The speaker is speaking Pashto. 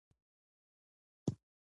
په پښتو کې تر څلور څپه ایزه ګړې شته.